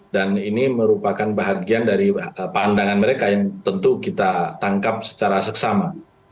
dan ini merupakan bahagian dari pandangan mereka yang tentu kita tangkap secara seksama